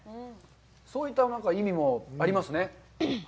そういった意味もありますね。